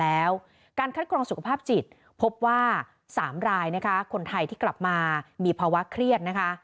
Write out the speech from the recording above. แล้วการคัดกรองสุขภาพจิตพบว่า๓รายนะคะคนไทยที่กลับมามีภาวะเครียดนะคะ